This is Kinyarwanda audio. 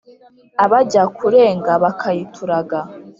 Abajya kurenga bakayituraga.